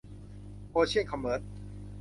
โอเชี่ยน คอมเมิรช